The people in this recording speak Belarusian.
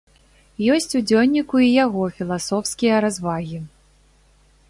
Ёсць у дзённіку і яго філасофскія развагі.